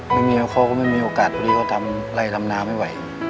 เมียเขาก็ไม่มีโอกาสพอดีเขาทำไล่ทำนาไม่ไหว